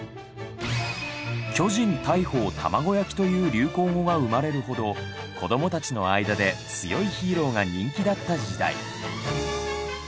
「巨人・大鵬・卵焼き」という流行語が生まれるほど子供たちの間で強いヒーローが人気だった時代。